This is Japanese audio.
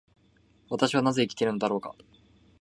私はなぜ生きているのだろうか。